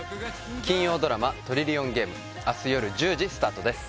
金曜ドラマ「トリリオンゲーム」明日よる１０時スタートです